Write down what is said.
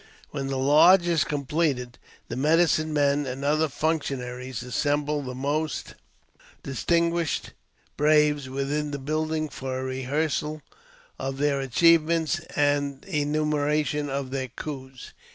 When the lodge is completed, the medicine men and other functionaries assemble the most distinguished braves within the building for a rehearsal of their achievements and an enumeration of their coos.